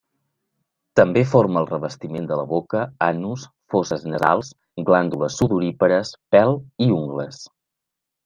També forma el revestiment de la boca, anus, fosses nasals, glàndules sudorípares, pèl i ungles.